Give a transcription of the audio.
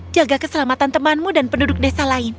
jaga keselamatan temanmu dan penduduk desa lain